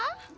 oh aku tahu